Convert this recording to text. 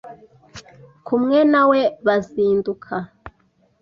kumwe na we bazinduka